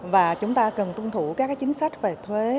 và chúng ta cần tuân thủ các chính sách về thuế